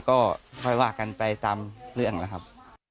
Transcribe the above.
ก็ค่อยว่ากันไปตามเรื่องแล้วครับ